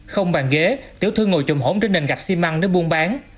không bàn ghế tiểu thư ngồi trùm hổm trên nền gạch xi măng để buôn bán